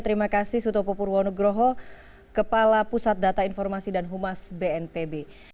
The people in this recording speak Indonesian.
terima kasih suto poporwono groho kepala pusat data informasi dan humas bnpb